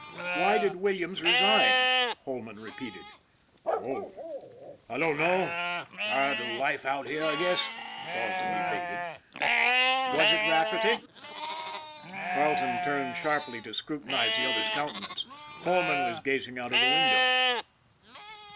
"Why did Williams resign?" Holman repeated. " Oh, I don't know. Tired of the life out here, I guess," Carleton evaded. "Was it Rafferty?" Carleton turned sharply to scrutinize the other's countenance. Holman was gazing out of the window.